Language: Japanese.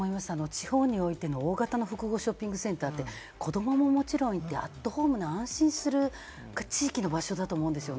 地方においての大型の複合ショッピングセンターで、子どもももちろんいて、アットホームな安心する地域の場所だと思うんです。